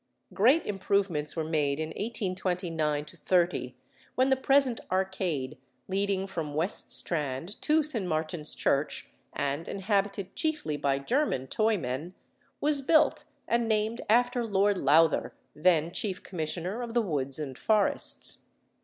Great improvements were made in 1829 30, when the present arcade leading from West Strand to St. Martin's Church, and inhabited chiefly by German toymen, was built and named after Lord Lowther then Chief Commissioner of the Woods and Forests.